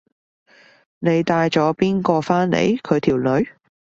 你帶咗邊個返嚟？佢條女？